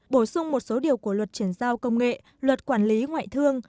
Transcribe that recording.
bổ sung một số điều của luật chuyển giao công nghệ luật quản lý ngoại thương